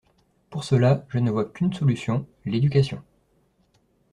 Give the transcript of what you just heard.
Pour cela, je ne vois qu’une solution: l’éducation!